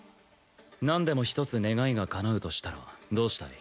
何でも一つ願いが叶うとしたらどうしたい？